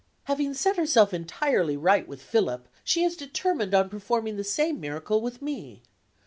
Having set herself entirely right with Philip, she is determined on performing the same miracle with me.